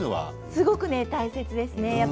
すごく大切ですね。